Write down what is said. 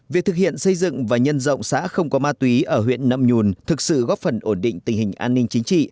việc thực hiện xây dựng và nhân rộng xã không có ma túy ở huyện nậm nhùn thực sự góp phần ổn định tình hình an ninh chính trị